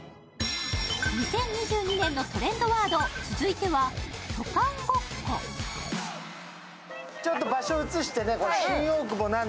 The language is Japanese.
２０２２年のトレンドワード、続いては渡韓ごっこ。